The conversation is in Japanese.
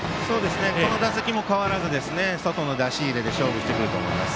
この打席も変わらず外の出し入れで勝負してくると思います。